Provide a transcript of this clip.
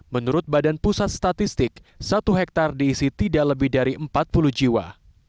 menurut badan pusat statistik satu hektare diisi tidak lebih dari empat puluh jiwa